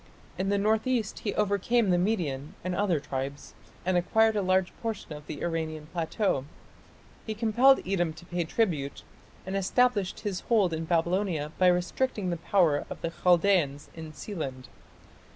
In the north east he overcame the Median and other tribes, and acquired a large portion of the Iranian plateau; he compelled Edom to pay tribute, and established his hold in Babylonia by restricting the power of the Chaldaeans in Sealand.